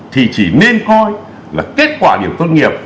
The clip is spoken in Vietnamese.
thì chỉ nên coi là kết quả điểm tốt nghiệp